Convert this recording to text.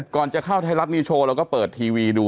ก่อนจะเข้าไทยรัฐนิวโชว์เราก็เปิดทีวีดู